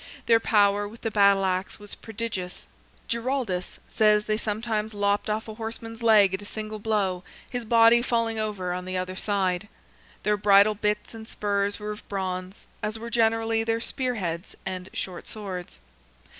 Their power with the battle axe was prodigious; Giraldus says they sometimes lopped off a horseman's leg at a single blow, his body falling over on the other side. Their bridle bits and spurs were of bronze, as were generally their spear heads and short swords.